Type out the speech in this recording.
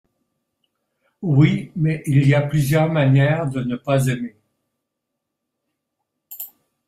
Oui… mais il y a plusieurs manières de ne pas aimer.